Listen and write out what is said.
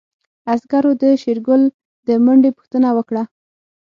عسکرو د شېرګل د منډې پوښتنه وکړه.